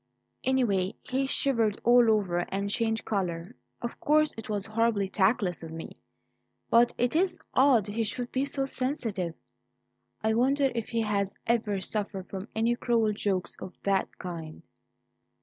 "Anyway, he shivered all over and changed colour. Of course it was horribly tactless of me, but it's odd he should be so sensitive. I wonder if he has ever suffered from any cruel jokes of that kind."